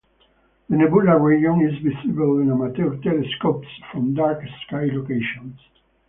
The nebula region is visible in amateur telescopes from dark sky locations.